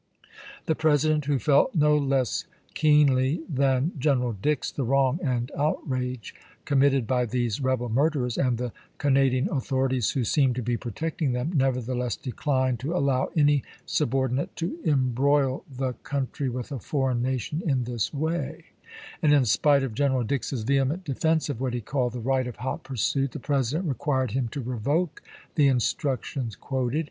The President, who felt no less keenly than Gen eral Dix the wrong and outrage committed by these rebel murderers and the Canadian authorities who seemed to be protecting them, nevertheless declined to allow any subordinate to embroil the country with a foreign nation in this way ;^ and in spite of General Dix's vehement defense of what he called " the light of hot pursuit," the President required him to revoke the instructions quoted.